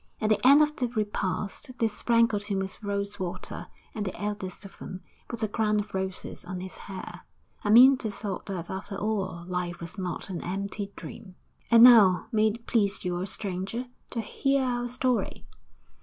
At the end of the repast they sprinkled him with rose water, and the eldest of them put a crown of roses on his hair. Amyntas thought that after all life was not an empty dream. XIII 'And now, may it please you, oh stranger, to hear our story.